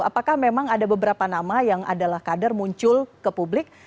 apakah memang ada beberapa nama yang adalah kader muncul ke publik